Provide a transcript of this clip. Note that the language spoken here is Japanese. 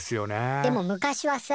でも昔はさ